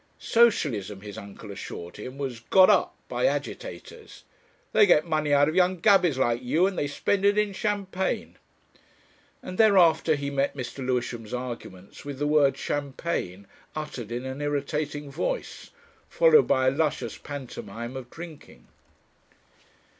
Socialism, his uncle assured him, was "got up" by agitators. "They get money out of young Gabies like you, and they spend it in champagne." And thereafter he met Mr. Lewisham's arguments with the word "Champagne" uttered in an irritating voice, followed by a luscious pantomime of drinking.